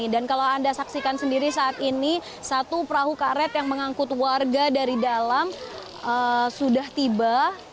dan kalau anda saksikan sendiri saat ini satu perahu karet yang mengangkut warga dari dalam sudah tiba